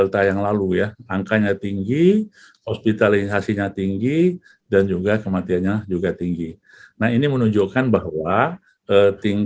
kisah kisah yang terjadi di jepang